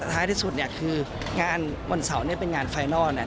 ท้ายที่สุดคือวันเสาร์เป็นงานไฟนอล